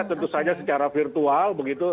tentu saja secara virtual begitu